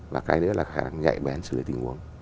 và cái nữa là khả năng nhạy bén sự lấy tình huống